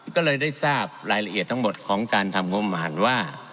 ก็เลยได้ทราบรายละเอียดทั้งหมดของการทำงบประมาณว่า